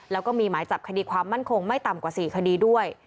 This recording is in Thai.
แล้วก็มีหมายจับคดีความมั่นคงไม่ต่ำกว่า๔คดีด้วย